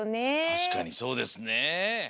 たしかにそうですね。